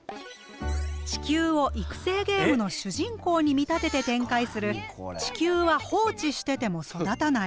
地球を育成ゲームの主人公に見立てて展開する「地球は放置してても育たない」。